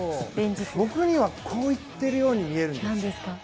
僕にはこう言っているように見えるんです。